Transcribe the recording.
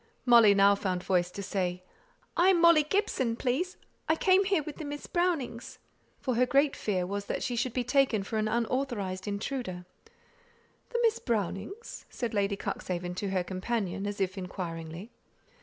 Molly now found voice to say "I am Molly Gibson, please. I came here with Miss Brownings;" for her great fear was that she should be taken for an unauthorized intruder. "Miss Brownings?" said Lady Cuxhaven to her companion, as if inquiringly.